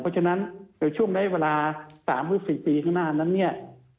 เพราะฉะนั้นในช่วงได้เวลา๓๔ปีข้างหน้านั้นเนี่ย